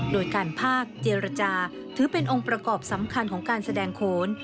โดยการภาคเจรจาถือเป็นองค์ประกอบสำคัญของการแสดงโขน